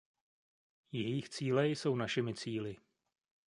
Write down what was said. Jejich cíle jsou našimi cíli.